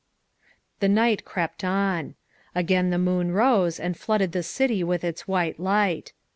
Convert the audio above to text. The night crept on. Again the moon rose and flooded the city with its white light.